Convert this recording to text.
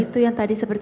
itu yang tadi seperti